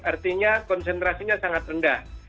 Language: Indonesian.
artinya konsentrasinya sangat rendah